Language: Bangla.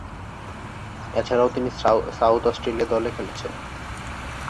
এছাড়াও তিনি সাউথ অস্ট্রেলিয়া দলে খেলেছেন।